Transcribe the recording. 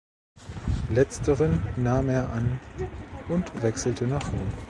Letzteren nahm er an und wechselte nach Rom.